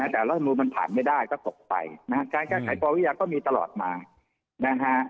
แต่รัฐธรรมนุนมันผ่านไม่ได้แล้วก็ตกไปนะฮะและการแก้ไขประวิยาก็มีตลอดมานะฮะ